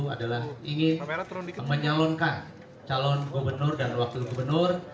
adalah ingin menyalonkan calon gubernur dan wakil gubernur